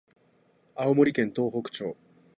青森県東北町